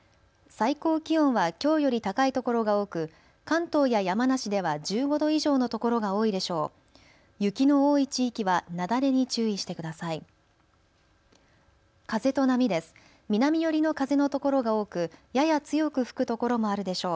最高気温はきょうより高いところが多く関東や山梨では１５度以上のところが多いでしょう。